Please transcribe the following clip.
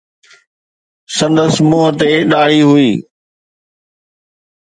سندس منهن تي ڏاڙهي هئي